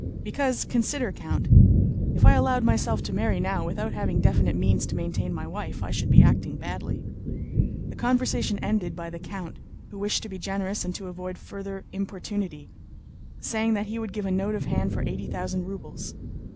"Because, consider, Count—if I allowed myself to marry now without having definite means to maintain my wife, I should be acting badly...." The conversation ended by the count, who wished to be generous and to avoid further importunity, saying that he would give a note of hand for eighty thousand rubles.